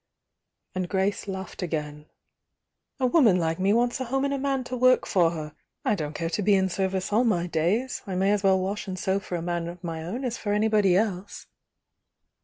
and Grace laughed again. "A woman like me wants a home and a man to work for her. I don't care to be in service all my days, THE YOUNG DIANA 37 —I may as well wash and sew for a man of my own as for anybody else."